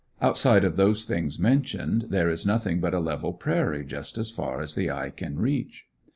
Outside of those things mentioned there is nothing but a level prairie just as far as the eye can reach.